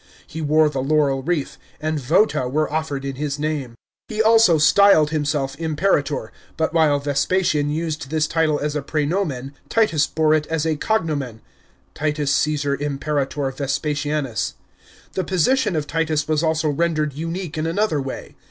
He wore the laurel wreath, and vota were offered in his name. He also styled himself Imperator; but while Vespasian used this title as a praenomen, Titus bore it as a cognomen (Titus Csesar Imperator Vespasianus). The position of Titus was also rendered unique in another way.